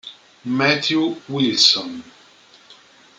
Matthew Wilson